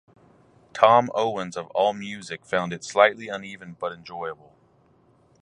Thom Owens of Allmusic found it "slightly uneven but enjoyable".